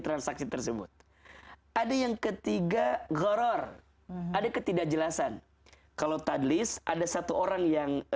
transaksi tersebut ada yang ketiga ghoror ada ketidakjelasan kalau tadlis ada satu orang yang